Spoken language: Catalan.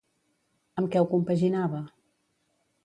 Amb què ho compaginava?